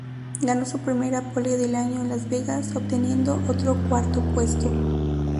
Ganó su primera pole del año en Las Vegas, obteniendo otro cuarto puesto.